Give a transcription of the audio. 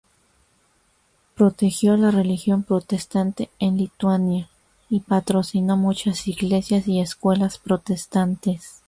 Protegió la religión protestante en Lituania y patrocinó muchas iglesias y escuelas protestantes.